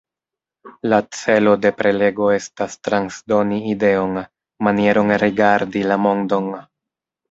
La celo de prelego estas transdoni ideon, manieron rigardi la mondon...